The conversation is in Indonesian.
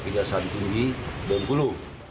kejaksaan tinggi bengkulu